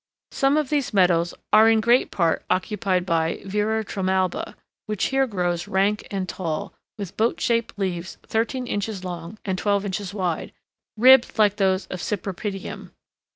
Some of these meadows are in great part occupied by Veratrumalba, which here grows rank and tall, with boat shaped leaves thirteen inches long and twelve inches wide, ribbed like those of cypripedium.